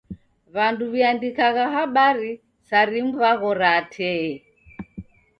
W'andu w'iandikagha habari saa rimu w'aghora tee.